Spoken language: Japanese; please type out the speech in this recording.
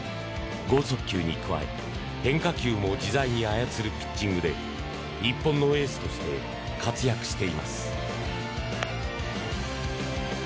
剛速球に加え変化球も自在に操るピッチングで日本のエースとして活躍しています。